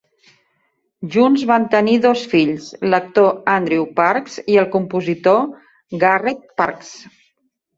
Junts van tenir dos fills, l'actor Andrew Parks i el compositor Garrett Parks.